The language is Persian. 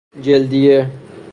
جلدیه